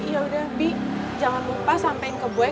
ya udah bi jangan lupa sampein ke boy